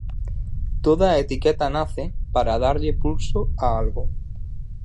Toda a etiqueta nace para darlle pulso a algo.